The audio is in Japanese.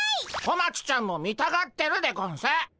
小町ちゃんも見たがってるでゴンス。